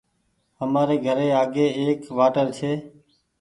همآري گھري آگي ايڪ واٽر ڇي